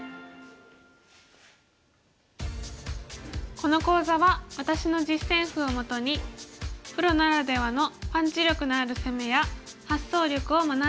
この講座は私の実戦譜をもとにプロならではのパンチ力のある攻めや発想力を学んで頂きます。